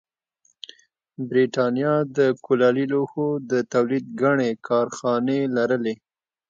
برېټانیا د کولالي لوښو د تولید ګڼې کارخانې لرلې